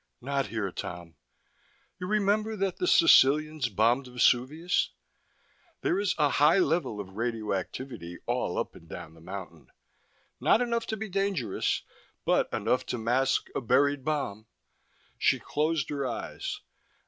"Not here, Tom. You remember that the Sicilians bombed Vesuvius? There is a high level of radioactivity all up and down the mountain. Not enough to be dangerous, but enough to mask a buried bomb." She closed her eyes.